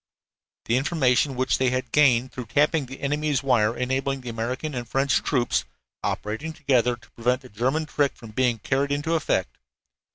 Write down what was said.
The information which they had gained through tapping the enemy's wire enabled the American and French troops, operating together, to prevent the German trick from being carried into effect.